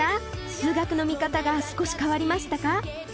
数学の見方が少し変わりましたか？